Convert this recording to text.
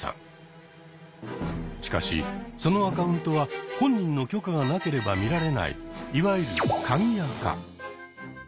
しかしそのアカウントは本人の許可がなければ見られないいわゆる「鍵アカ」。